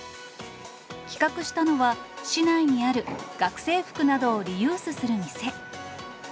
企画したのは、市内にある学生服などをリユースする店。